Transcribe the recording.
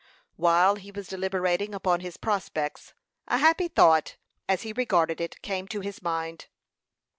While he was deliberating upon his prospects, a happy thought, as he regarded it, came to his mind.